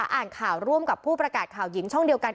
อ่านข่าวร่วมกับผู้ประกาศข่าวหญิงช่องเดียวกัน